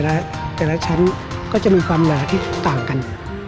และแต่ละชั้นก็จะมีความหนาที่ต่างกัน